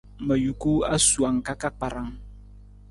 Ma juku asowang ka ka kparang.